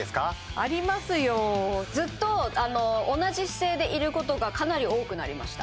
ありますよずっと同じ姿勢でいることがかなり多くなりました